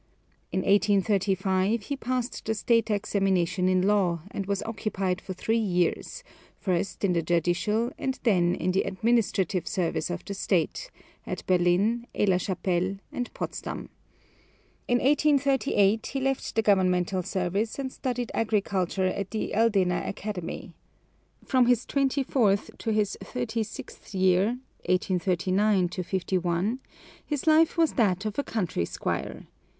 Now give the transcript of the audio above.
In 1835 he passed the State examination in law, and was occupied for three years, first in the judicial and then in the administrative service of the State, at Berlin, Aix la Chapelle, and Potsdam. In 1838 he left the governmental service and studied agriculture at the Eldena Academy. From his twenty fourth to his thirty sixth year (1839 51) his life was that of a country squire.